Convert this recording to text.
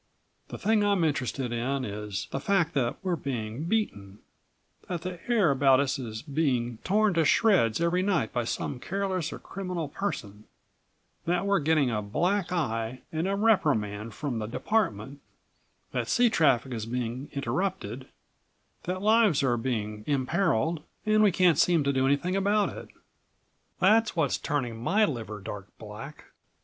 The thing I'm interested in is the fact that we're being beaten; that the air about us is being torn to shreds every night by some careless or criminal person; that we're getting a black eye and a reprimand from the department; that sea traffic is being interrupted; that lives are being imperiled and we can't seem to do anything about it. That's what's turning my liver dark black!"